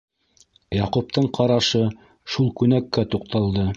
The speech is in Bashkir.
Яҡуптың ҡарашы шул күнәккә туҡталды.